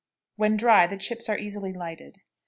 When dry, the chips are easily lighted.